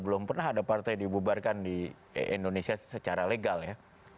belum pernah ada partai dibubarkan di indonesia secara legal ya